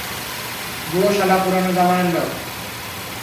বুড়ো শালা পুরনো জামানার লোক।